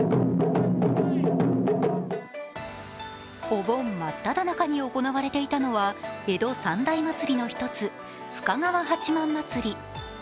お盆真っただ中に行われていたのは江戸三大祭りの一つ深川八幡祭り。